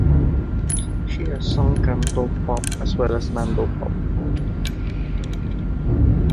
She has sung cantopop as well as mandopop.